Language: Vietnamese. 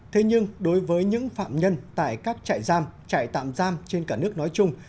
thế nhưng đối với những phạm nhân tại các trại giam trại tạm giam trên cả nước nói chung